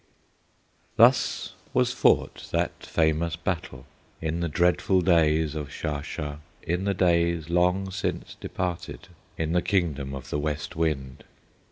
Thus was fought that famous battle In the dreadful days of Shah shah, In the days long since departed, In the kingdom of the West Wind.